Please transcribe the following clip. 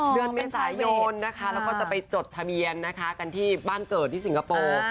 เดือนเมียสายนท์แล้วก็จะไปจดทะเบียนที่บ้านเกิดที่สิงคโปร์